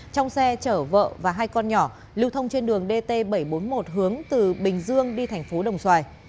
trong xe chở vợ và hai con nhỏ lưu thông trên đường dt bảy trăm bốn mươi một hướng từ bình dương đi thành phố đồng xoài